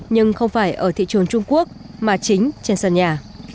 nhưng không phải ở thị trường trung quốc mà chính trên sân nhà